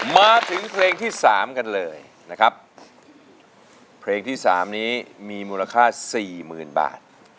มาถึงเพลงที่๓กันเลยนะครับเพลงที่๓นี้มีมูลค่า๔๐๐๐๐บาท